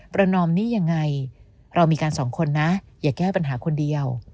นอมหนี้ยังไงเรามีกันสองคนนะอย่าแก้ปัญหาคนเดียว